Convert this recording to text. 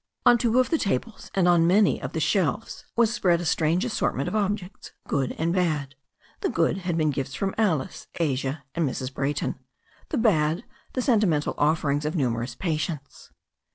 On two of the tables and on many of the shelves was spread a strange assortccitx^l ^1 326 THE STORY OF A NEW ZEALAND RIVER objects, good and bad. The good had been gifts from Alice, Asia and Mrs. Brayton; the bad, the sentimental offerings of numerous patients.